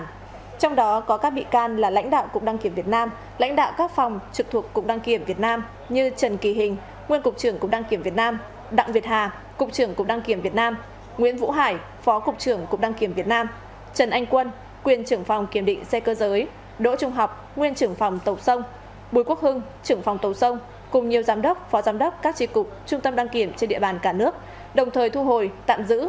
trong đó có các bị can là lãnh đạo cục đăng kiểm việt nam lãnh đạo các phòng trực thuộc cục đăng kiểm việt nam như trần kỳ hình nguyên cục trưởng cục đăng kiểm việt nam đặng việt hà cục trưởng cục đăng kiểm việt nam nguyễn vũ hải phó cục trưởng cục đăng kiểm việt nam trần anh quân quyền trưởng phòng kiểm định xe cơ giới đỗ trung học nguyên trưởng phòng tàu sông bùi quốc hưng trưởng phòng tàu sông cùng nhiều giám đốc phó giám đốc các trí cục trung tâm đăng kiểm trên địa bàn cả nước đồng thời thu hồi tạm giữ